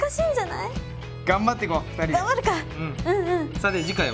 さて次回は？